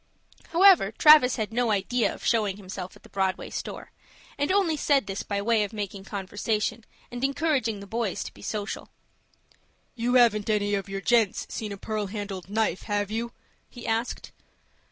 However, Travis had no idea of showing himself at the Broadway store, and only said this by way of making conversation, and encouraging the boys to be social. "You haven't any of you gents seen a pearl handled knife, have you?" he asked.